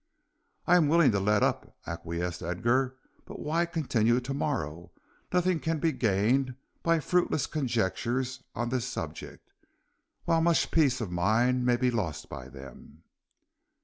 "I am willing to let up," acquiesced Edgar, "but why continue to morrow? Nothing can be gained by fruitless conjectures on this subject, while much peace of mind may be lost by them."